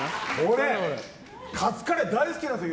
カツカレー大好きなんですよ